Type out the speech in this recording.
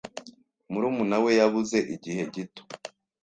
Murumuna we yabuze igihe gito.